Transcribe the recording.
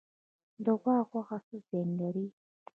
د غوا غوښه څه زیان لري؟